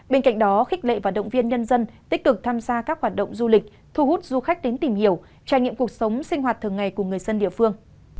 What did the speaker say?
bên cạnh đó khích lệ và động viên nhân dân tích cực tham gia các hoạt động du lịch thu hút du khách đến tìm hiểu trải nghiệm cuộc sống sinh hoạt thường ngày của người dân địa phương